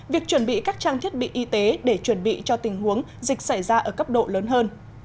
việc chuẩn bị các trang thiết bị y tế để chuẩn bị cho tình huống dịch xảy ra ở cấp độ lớn hơn